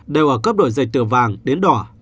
đều ở cấp độ dịch từ vàng đến đỏ